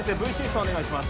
お願いします